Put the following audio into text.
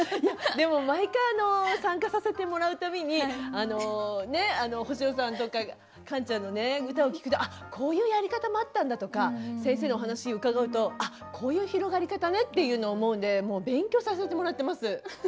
毎回参加させてもらう度に星野さんとかカンちゃんの歌を聞くとあっこういうやり方もあったんだとか先生のお話を伺うとあっこういう広がり方ねっていうのを思うんでもう勉強させてもらってます。